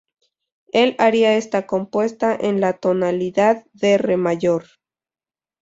El aria está compuesta en la tonalidad de re mayor.